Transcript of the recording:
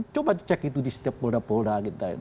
coba cek itu di setiap polda polda